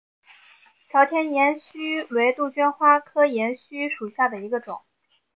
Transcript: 朝天岩须为杜鹃花科岩须属下的一个种。